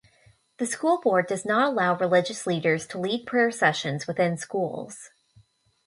The school board does not allow religious leaders to lead prayer sessions within schools.